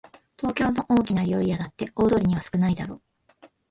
東京の大きな料理屋だって大通りには少ないだろう